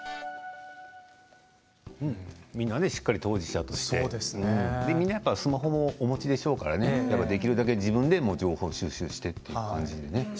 みんなしっかり当事者としてみんなやっぱりスマホをお持ちでしょうからねできるだけ自分で情報収集してという感じでね。